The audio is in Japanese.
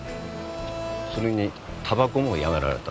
それにタバコもやめられた。